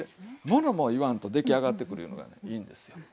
ものも言わんとできあがってくるいうのがいいんですよ。